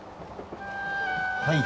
はい。